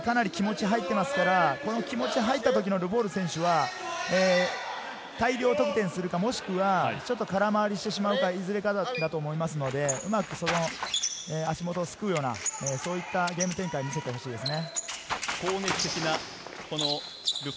気持ちが入った時のルフォール選手は、大量得点するか、もしくはちょっと空回りしてしまうか、いずれかだと思いますので、うまく足元をすくうようなゲーム展開を見せてほしいですね。